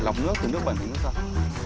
lọc nước từ nước bẩn đến nước sạch